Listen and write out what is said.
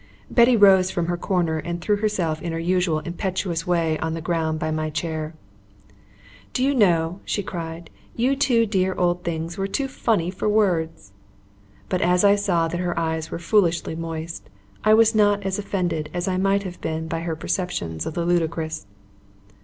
Betty rose from her corner and threw herself in her usual impetuous way on the ground by my chair. "Do you know," she cried, "you two dear old things were too funny for words." But as I saw that her eyes were foolishly moist, I was not as offended as I might have been by her perception of the ludicrous.